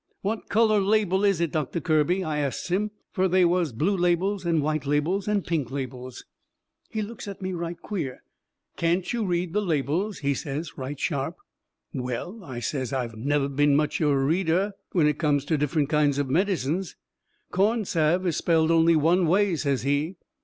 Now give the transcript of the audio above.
"What colour label is it, Doctor Kirby?" I asts him. Fur they was blue labels and white labels and pink labels. He looks at me right queer. "Can't you read the labels?" he says, right sharp. "Well," I says, "I never been much of a reader when it comes to different kind of medicines." "Corn salve is spelled only one way," says he.